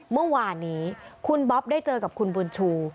เมื่อวานนี้คุณบ๊อบได้เจอกับคุณบุญชู